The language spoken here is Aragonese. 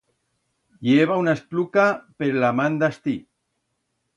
I heba una espluca per la man d'astí.